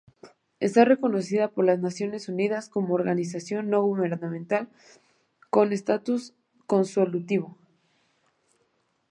Está reconocida por las Naciones Unidas como una organización no gubernamental con status consultivo.